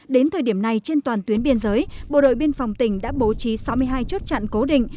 đến thời điểm này trên toàn tuyến biên giới bộ đội biên phòng tỉnh đã bố trí sáu mươi hai chốt chặn cố định